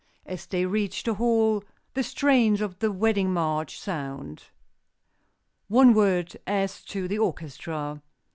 As they reach the hall the strains of the wedding march sound. One word as to the orchestra.